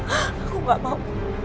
aku gak mau